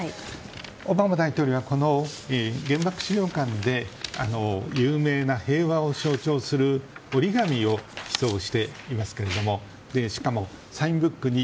オバマ大統領はこの原爆資料館で有名な平和を象徴する折り紙を寄贈していますがしかもサインブックに